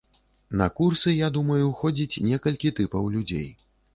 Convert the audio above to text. На курсы, я думаю, ходзіць некалькі тыпаў людзей.